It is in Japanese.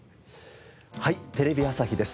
『はい！テレビ朝日です』